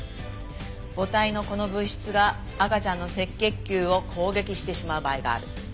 母体のこの物質が赤ちゃんの赤血球を攻撃してしまう場合がある。